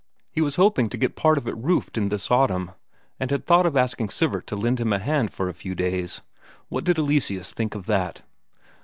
He was hoping to get part of it roofed in this autumn, and had thought of asking Sivert to lend him a hand for a few days what did Eleseus think of that?